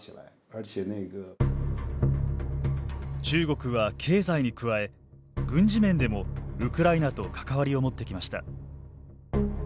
中国は経済に加え軍事面でもウクライナと関わりを持ってきました。